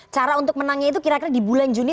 cara untuk menangnya itu kira kira di bulan juni